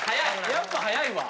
やっぱ速いわ。